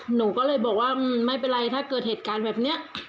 หนูก็เลยบอกว่าไม่เป็นไรถ้าเกิดเหตุการณ์แบบนี้